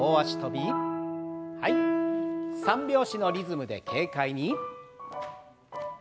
３拍子のリズムで軽快に。